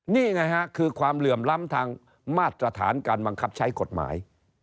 นี่ไงฮะคือความเหลื่อมล้ำทางมาตรฐานการบังคับใช้กฎหมาย